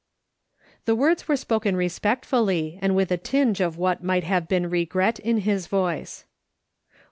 The words were spoken respectfully, and with a tinge of what might have been regret in his voice.